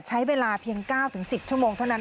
ใช้เวลาเพียง๙๑๐ชั่วโมงเท่านั้น